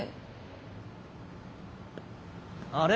あれ？